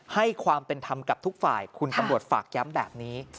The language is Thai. ให้ความเป็นธรรมกับทุกฝ่ายคุณตำรวจฝากย้ำแบบนี้